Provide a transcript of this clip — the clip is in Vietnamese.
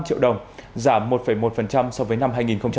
năm triệu đồng giảm một một so với năm hai nghìn hai mươi